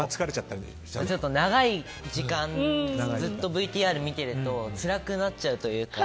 長い時間ずっとＶＴＲを見てるとつらくなっちゃうというか。